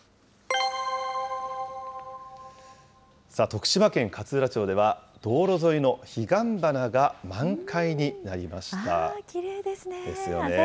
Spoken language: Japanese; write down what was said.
徳島県勝浦町では、道路沿いのヒガンバナが満開になりました。ですよね。